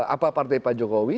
apa partai pak jokowi